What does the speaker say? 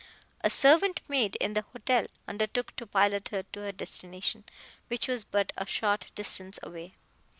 A servant maid in the hotel undertook to pilot her to her destination, which was but a short distance away.